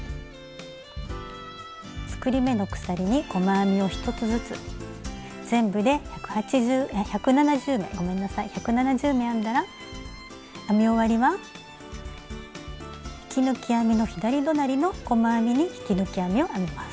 作り目の鎖に細編みを１つずつ全部で１７０目編んだら編み終わりは引き抜き編みの左隣りの細編みに引き抜き編みを編みます。